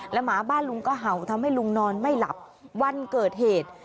หมาบ้านลุงก็เห่าทำให้ลุงนอนไม่หลับวันเกิดเหตุ